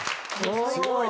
すごいね。